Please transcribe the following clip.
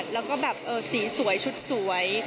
แล้วก็แบบสีสวยชุดสวย